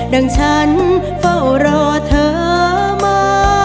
ดังฉันเฝ้ารอเธอมา